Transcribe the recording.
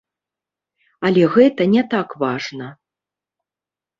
Але гэта не так важна.